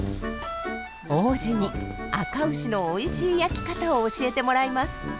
王子にあかうしのおいしい焼き方を教えてもらいます。